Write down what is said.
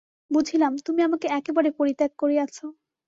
বুঝিলাম, তুমি আমাকে একেবারে পরিত্যাগ করিয়াছ।